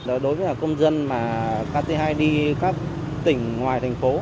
đối với công dân kt hai đi các tỉnh ngoài thành phố